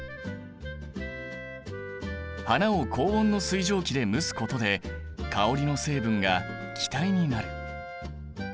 花を高温の水蒸気で蒸すことで香りの成分が気体になる。